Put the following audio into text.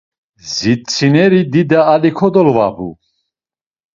Zitsineri dida ali kodolvabu.